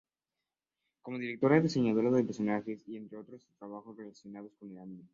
Como directora, diseñadora de personajes, y entre otros trabajos relacionados con el Anime.